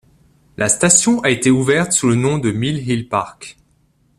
La station a été ouverte le sous le nom de Mill Hill Park.